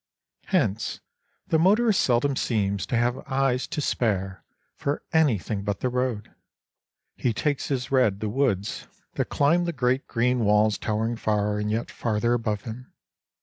Hence, the motorist seldom seems to have eyes to spare for anything but the road; he takes as read the woods that climb the great green walls towering far and yet farther above him.